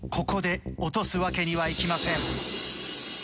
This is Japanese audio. ここで落とすわけにはいきません。